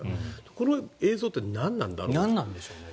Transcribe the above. この映像って何なんだろうって。